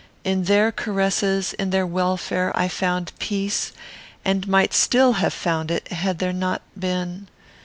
In their caresses, in their welfare, I found peace; and might still have found it, had there not been